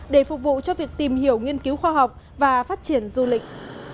để phục vụ cho việc tìm hiểu nghiên cứu khoa học và phát triển du lịch